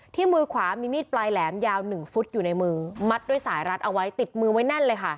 มือขวามีมีดปลายแหลมยาว๑ฟุตอยู่ในมือมัดด้วยสายรัดเอาไว้ติดมือไว้แน่นเลยค่ะ